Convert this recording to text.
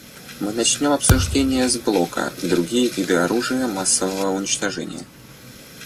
Мы начнем обсуждение с блока «Другие виды оружия массового уничтожения».